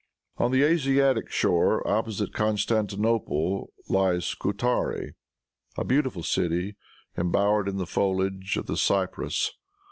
On the Asiatic shore, opposite Constantinople, lies Scutari, a beautiful city embowered in the foliage of the cyprus.